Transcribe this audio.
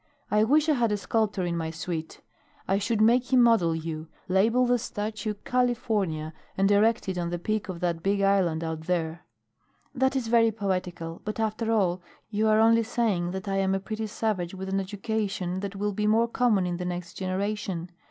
I wish I had a sculptor in my suite. I should make him model you, label the statue 'California,' and erect it on the peak of that big island out there." "That is very poetical, but after all, you are only saying that I am a pretty savage with an education that will be more common in the next generation.